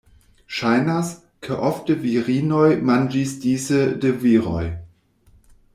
Ŝajnas, ke ofte virinoj manĝis dise de viroj.